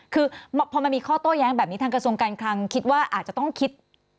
คือพอมันมีข้อโต้แย้งแบบนี้ทางกระทรวงการคลังคิดว่าอาจจะต้องคิด